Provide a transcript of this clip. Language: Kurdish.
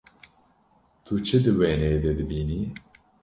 Tu çi di wêneyê de dibînî?